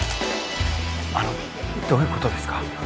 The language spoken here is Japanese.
あのどういうことですか？